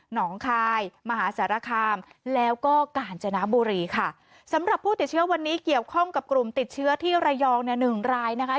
งคายมหาสารคามแล้วก็กาญจนบุรีค่ะสำหรับผู้ติดเชื้อวันนี้เกี่ยวข้องกับกลุ่มติดเชื้อที่ระยองเนี่ยหนึ่งรายนะคะ